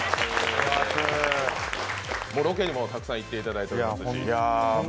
ロケにもたくさん行っていただいてますし。